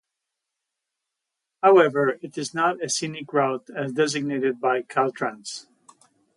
However, it is not a scenic route as designated by Caltrans.